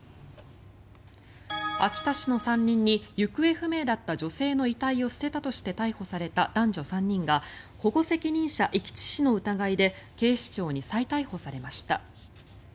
秋田市の山林に行方不明だった女性の遺体を捨てたとして逮捕された男女３人が保護責任者遺棄致死の疑いで警視庁に再逮捕されました。